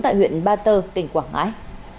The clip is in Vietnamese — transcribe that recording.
tại huyện ba tơ tỉnh quảng ngãi